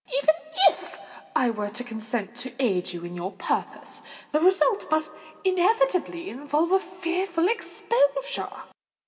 "Even if I were to consent to aid you in your purpose, the result must inevitably involve a fearful exposure."